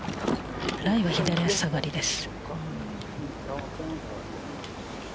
ライが左足下がりです。